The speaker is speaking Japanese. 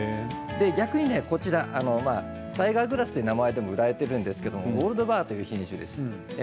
逆にタイガーグラスという名前でも売られているんですけどゴールドバーという品種です。